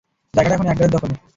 জায়গাটা এখন এডগারের দখলে।